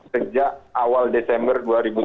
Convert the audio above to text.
sejak awal desember dua ribu tujuh belas